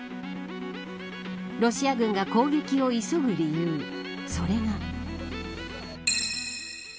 ロシア軍が攻撃を急ぐ理由それが。